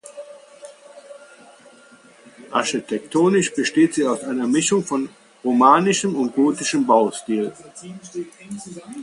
Architektonisch besteht sie aus einer Mischung von romanischem und gotischem Baustil.